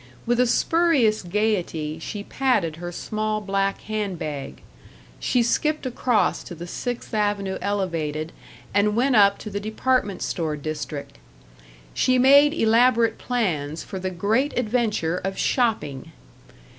With a spurious gaiety she patted her small black hand bag. She skipped across to the Sixth Avenue Elevated and went up to the department store district. She made elaborate plans for the great adventure of shopping.